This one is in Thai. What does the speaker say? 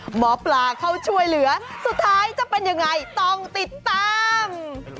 หมอปลาเข้าช่วยเหลือสุดท้ายจะเป็นยังไงต้องติดตาม